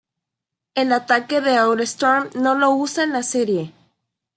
El ataque de Aura Storm no lo usa en la serie.